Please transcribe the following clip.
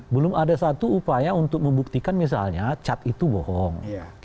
belum ada satu upaya untuk membuktikan misalnya cat itu bohong